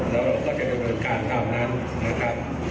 แล้วเราก็จะดำเนินการตามนั้นนะครับ